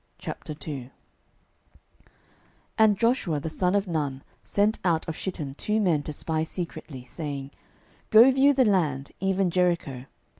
06:002:001 And Joshua the son of Nun sent out of Shittim two men to spy secretly, saying, Go view the land, even Jericho.